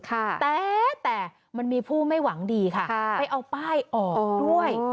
แต่แต่มันมีผู้ไม่หวังดีค่ะไปเอาป้ายออกด้วย